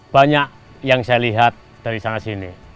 banyak yang saya lihat dari sana sini